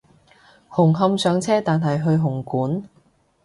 紅磡上車但係去紅館？